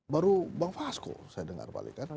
baru bang fasko saya dengar